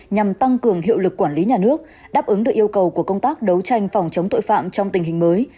nhằm tăng cường hiệu lực quản lý nhà nước đáp ứng được yêu cầu của công tác đấu tranh phòng chống tội phạm trong tình hình mới